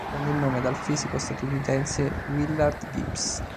Prende il nome dal fisico statunitense Willard Gibbs.